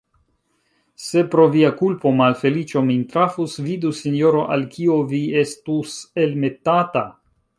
Se, pro via kulpo, malfeliĉo min trafus, vidu, sinjoro, al kio vi estus elmetata!